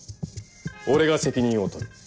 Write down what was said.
俺が責任を取る。